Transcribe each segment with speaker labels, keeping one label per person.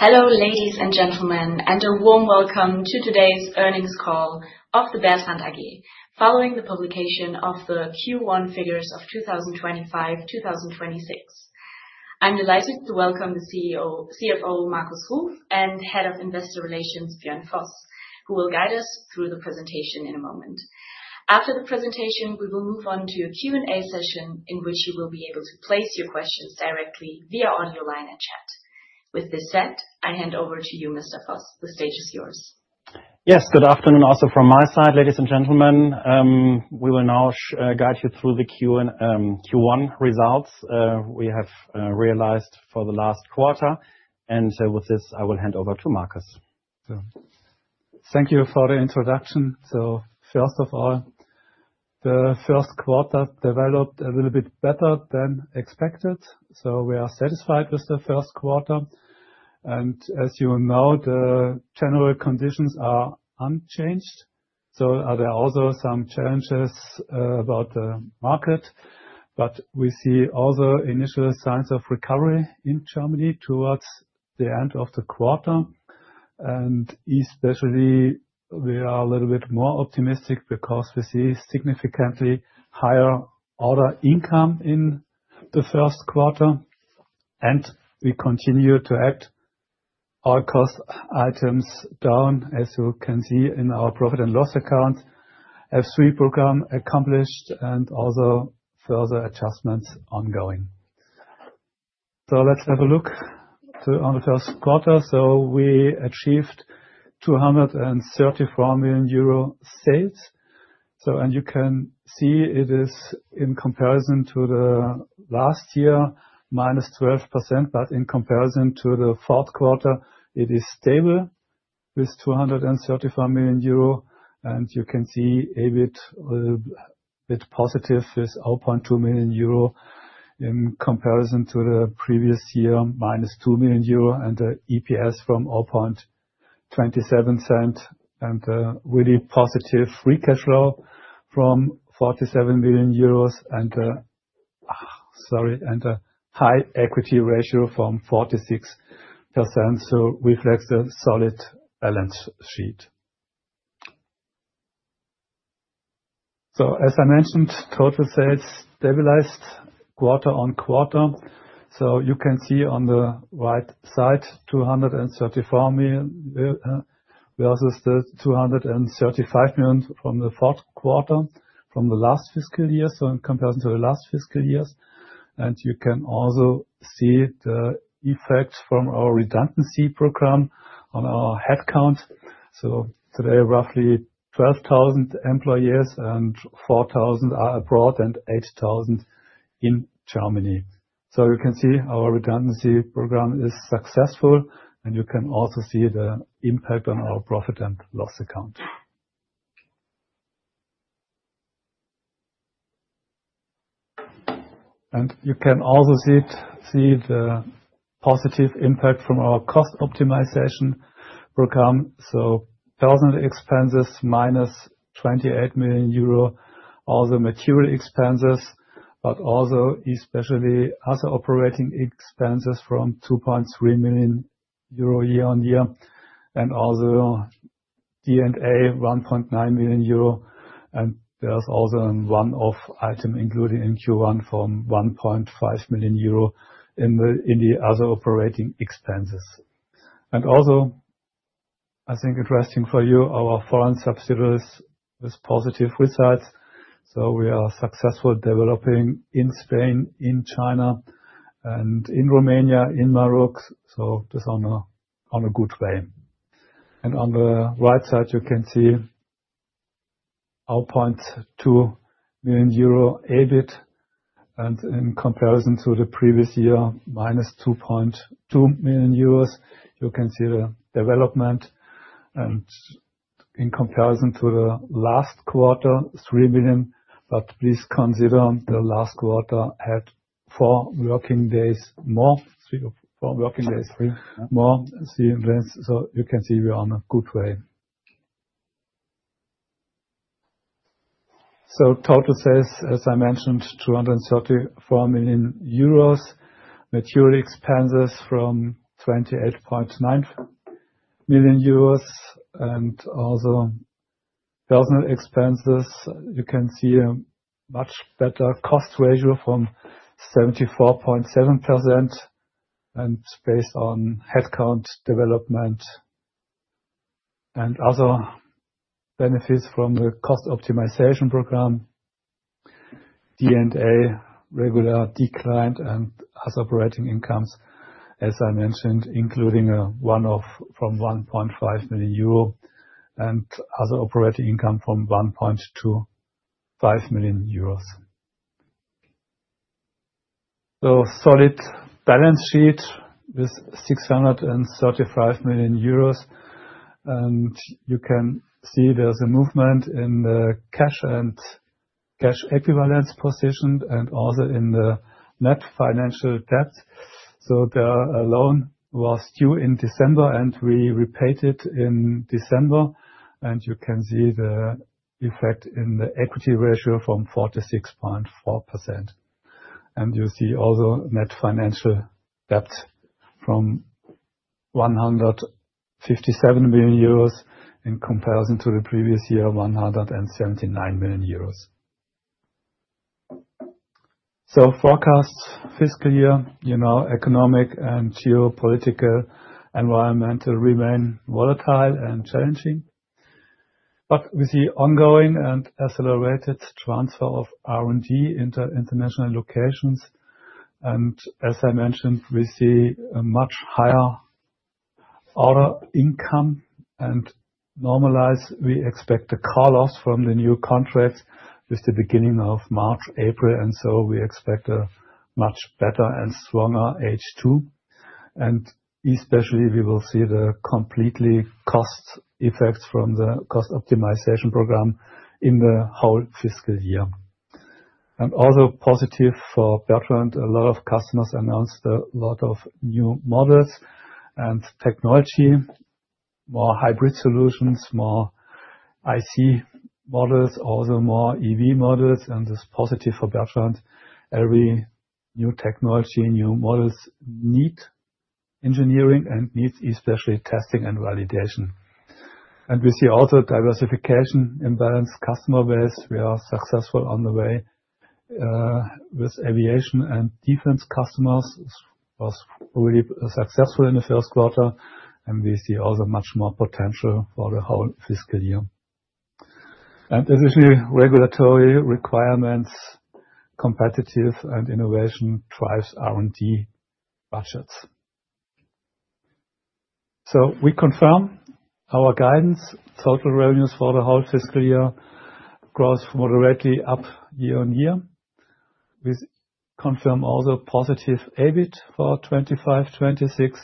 Speaker 1: Hello, ladies and gentlemen, and a warm welcome to today's earnings call of the Bertrandt AG, following the publication of the Q1 figures of 2025, 2026. I'm delighted to welcome the CEO--CFO, Markus Ruf, and Head of Investor Relations, Björn Voss, who will guide us through the presentation in a moment. After the presentation, we will move on to a Q&A session, in which you will be able to place your questions directly via audio line and chat. With this said, I hand over to you, Mr. Voss. The stage is yours.
Speaker 2: Yes, good afternoon also from my side, ladies and gentlemen. We will now guide you through the Q1 results we have realized for the last quarter, and with this, I will hand over to Markus.
Speaker 3: So thank you for the introduction. So first of all, the Q1 developed a little bit better than expected, so we are satisfied with the Q1. As you know, the general conditions are unchanged, so are there also some challenges about the market? But we see other initial signs of recovery in Germany towards the end of the quarter, and especially, we are a little bit more optimistic because we see significantly higher order income in the Q1, and we continue to add our cost items down, as you can see in our profit and loss account, efficiency program accomplished and other further adjustments ongoing. So let's have a look to, on the Q1. So we achieved 234 million euro sales. You can see it is in comparison to the last year -12%, but in comparison to the Q4, it is stable with 234 million euro. You can see a bit positive is EBIT 2 million euro in comparison to the previous year -2 million euro, and the EPS of 0.27, and really positive free cash flow of 47 billion euros and a high equity ratio of 46%, so reflects the solid balance sheet. So as I mentioned, total sales stabilized quarter-on-quarter. So you can see on the right side, 234 million versus the 235 million from the Q4 from the last fiscal year, so in comparison to the last fiscal years. And you can also see the effects from our redundancy program on our headcount. So today, roughly 12,000 employees, and 4,000 are abroad, and 8,000 in Germany. So you can see our redundancy program is successful, and you can also see the impact on our profit and loss account. And you can also see it, see the positive impact from our cost optimization program, so personnel expenses, minus 28 million euro, all the material expenses, but also especially other operating expenses from 2.3 million euro year-on-year, and also D&A, 1.9 million euro. There's also one-off item included in Q1 from 1.5 million euro in the other operating expenses. Also, I think interesting for you, our foreign subsidiaries is positive with that, so we are successfully developing in Spain, in China, and in Romania, in Morocco, so just on a good way. On the right side, you can see our 0.2 million euro EBIT, and in comparison to the previous year, minus 2.2 million euros, you can see the development, and in comparison to the last quarter, 3 million, but please consider the last quarter had 4 working days more. Three or four working days-
Speaker 2: Three.
Speaker 3: More so, you can see we are on a good way. So total sales, as I mentioned, 234 million euros. Material expenses from 28.9 million euros, and also personnel expenses. You can see a much better cost ratio from 74.7%, and it's based on headcount development and other benefits from the cost optimization program. D&A regularly declined, and other operating incomes, as I mentioned, including a one-off from 1.5 million euro and other operating income from 1.25 million euros. So solid balance sheet with 635 million euros, and you can see there's a movement in the cash and cash equivalents position and also in the net financial debt. So the loan was due in December, and we repaid it in December, and you can see the effect in the equity ratio from 46.4%.... And you see also net financial debt from 157 million euros in comparison to the previous year, 179 million euros. So forecast fiscal year, you know, economic and geopolitical environment remains volatile and challenging, but we see ongoing and accelerated transfer of R&D into international locations. And as I mentioned, we see a much higher order income, and normalize, we expect the call-offs from the new contracts with the beginning of March, April, and so we expect a much better and stronger H2. And especially, we will see the complete cost effects from the cost optimization program in the whole fiscal year. Also positive for Bertrandt, a lot of customers announced a lot of new models and technology, more hybrid solutions, more IC models, also more EV models, and this is positive for Bertrandt. Every new technology, new models need engineering and needs, especially testing and validation. And we see also diversification in balanced customer base. We are successful on the way with aviation and defense customers, was really successful in the Q1, and we see also much more potential for the whole fiscal year. And especially, regulatory requirements, competitive and innovation drives R&D budgets. So we confirm our guidance. Total revenues for the whole fiscal year grows moderately up year-on-year. We confirm also positive EBIT for 2025, 2026,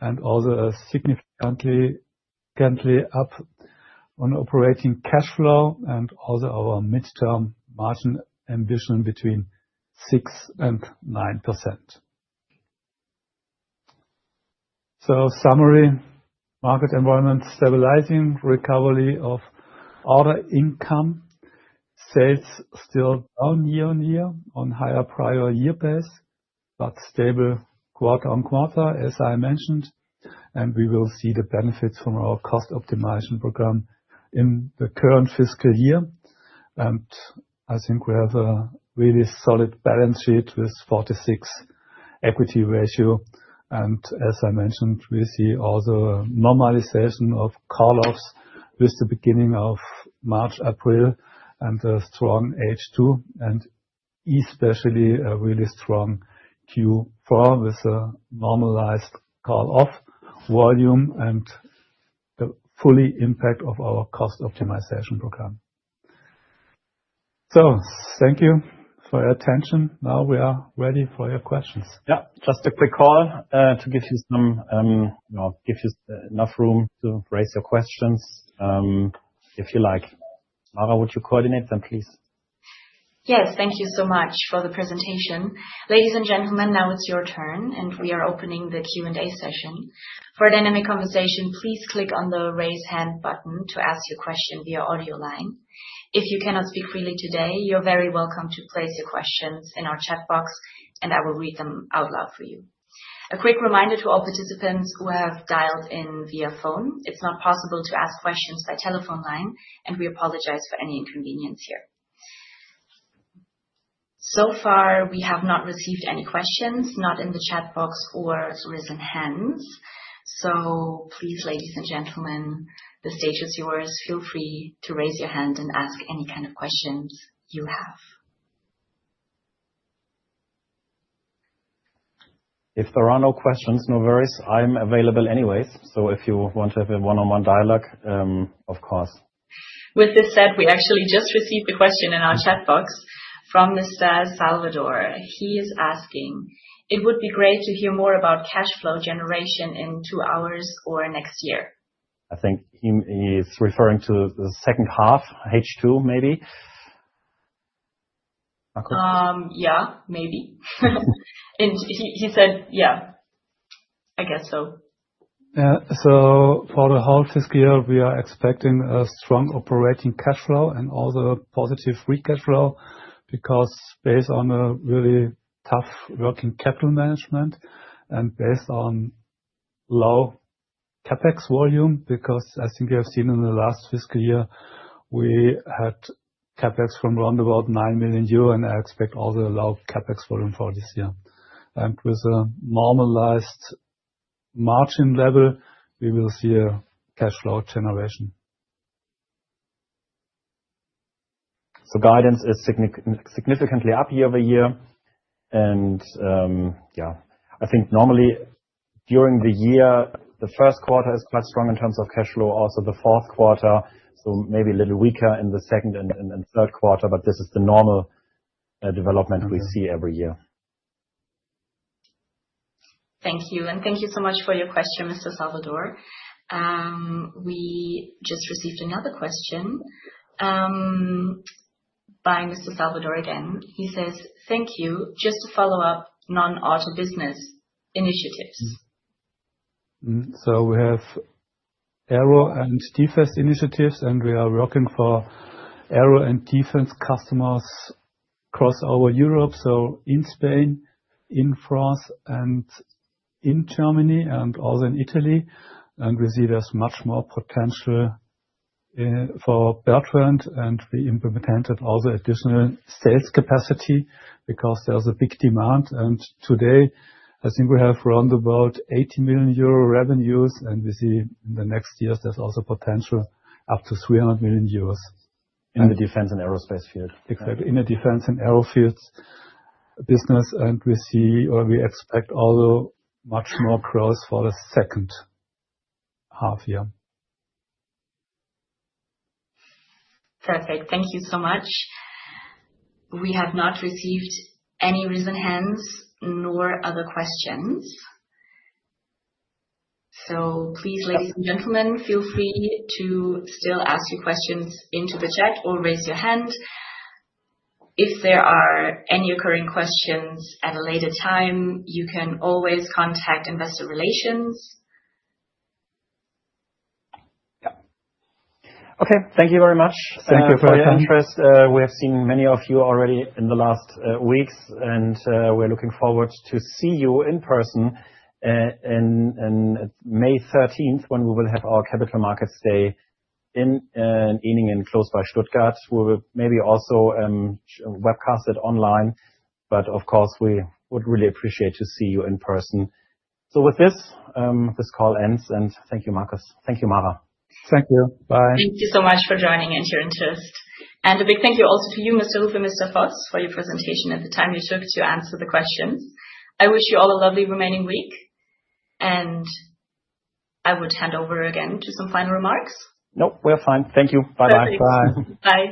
Speaker 3: and also a significantly, significantly up on operating cash flow and also our midterm margin ambition between 6%-9%. So summary, market environment, stabilizing recovery of order income. Sales still down year-over-year on higher prior year base, but stable quarter-over-quarter, as I mentioned, and we will see the benefits from our cost optimization program in the current fiscal year. I think we have a really solid balance sheet with 46 equity ratio, and as I mentioned, we see also a normalization of call-offs with the beginning of March, April, and a strong H2, and especially a really strong Q4 with a normalized call-off volume and the full impact of our cost optimization program. Thank you for your attention. Now we are ready for your questions.
Speaker 2: Yeah, just a quick call, to give you some, you know, give you enough room to raise your questions, if you like. Mara, would you coordinate them, please?
Speaker 1: Yes. Thank you so much for the presentation. Ladies and gentlemen, now it's your turn, and we are opening the Q&A session. For a dynamic conversation, please click on the Raise Hand button to ask your question via audio line. If you cannot speak freely today, you're very welcome to place your questions in our chat box, and I will read them out loud for you. A quick reminder to all participants who have dialed in via phone, it's not possible to ask questions by telephone line, and we apologize for any inconvenience here. So far, we have not received any questions, not in the chat box or raised hands. So please, ladies and gentlemen, the stage is yours. Feel free to raise your hand and ask any kind of questions you have.
Speaker 2: If there are no questions, no worries. I'm available anyways, so if you want to have a one-on-one dialogue, of course.
Speaker 1: With this said, we actually just received a question in our chat box from Mr. Salvador. He is asking: It would be great to hear more about cash flow generation in 2H or next year.
Speaker 2: I think he is referring to the second half, H2, maybe.
Speaker 1: Yeah, maybe. And he said yeah, I guess so.
Speaker 3: So, for the whole fiscal year, we are expecting a strong operating cash flow and also positive free cash flow, because based on a really tough working capital management and based on low CapEx volume, because I think you have seen in the last fiscal year, we had CapEx from around about 9 million euro, and I expect all the low CapEx volume for this year. And with a normalized margin level, we will see a cash flow generation.
Speaker 2: So guidance is significantly up year-over-year. And, yeah, I think normally during the year, the Q1 is quite strong in terms of cash flow, also the Q4, so maybe a little weaker in the second and Q3, but this is the normal development we see every year.
Speaker 1: Thank you. Thank you so much for your question, Mr. Salvador. We just received another question by Mr. Salvador again. He says, "Thank you. Just to follow up, non-auto business initiatives?
Speaker 3: So we have aero and defense initiatives, and we are working for aero and defense customers across our Europe. So in Spain, in France, and in Germany, and also in Italy. And we see there's much more potential for Bertrandt, and we implemented all the additional sales capacity because there's a big demand. And today, I think we have around about 80 million euro revenues, and we see in the next years there's also potential up to 300 million euros.
Speaker 2: In the defense and aerospace field.
Speaker 3: Exactly. In the Defense and Aero fields business, and we see or we expect although much more growth for the second half year.
Speaker 1: Perfect. Thank you so much. We have not received any raised hands nor other questions. So please, ladies and gentlemen, feel free to still ask your questions into the chat or raise your hand. If there are any occurring questions at a later time, you can always contact investor relations.
Speaker 2: Yeah. Okay, thank you very much-
Speaker 3: Thank you for your-
Speaker 2: For your interest. We have seen many of you already in the last weeks, and we're looking forward to see you in person, in May thirteenth, when we will have our capital markets day in and close by Stuttgart, where we'll maybe also webcast it online. But of course, we would really appreciate to see you in person. So with this, this call ends, and thank you, Markus. Thank you, Mara.
Speaker 3: Thank you. Bye.
Speaker 1: Thank you so much for joining and your interest. A big thank you also to you, Mr. Ruf and Mr. Voss, for your presentation and the time you took to answer the questions. I wish you all a lovely remaining week, and I would hand over again to some final remarks.
Speaker 2: Nope, we're fine. Thank you. Bye-bye.
Speaker 3: Perfect. Bye.
Speaker 1: Bye.